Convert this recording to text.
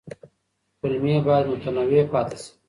کولمې باید متنوع پاتې شي.